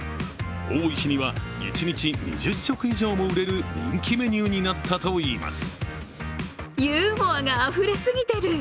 多い日には一日２０食以上も売れる人気メニューになったといいます。